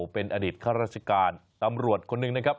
เป็นอดีตข้าราชการตำรวจคนหนึ่งนะครับ